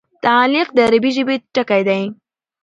تعلیق د عربي ژبي ټکی دﺉ.